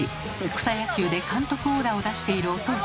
草野球で監督オーラを出しているおとうさん。